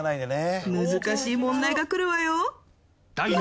難しい問題が来るわよ。